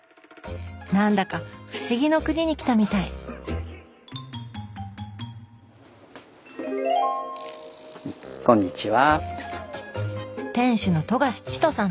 なんだか不思議の国に来たみたいこんにちは。